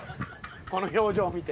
この表情見て。